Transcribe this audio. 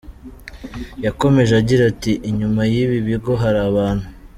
Yakomeje agira ati “Inyuma y’ibi bigo hari abantu.